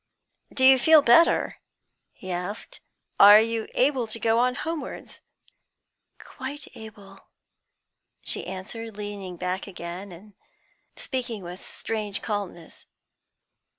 "Do you feel better?" he asked. "Are you able to go on homewards?" "Quite able," she answered, leaning back again, and speaking with strange calmness.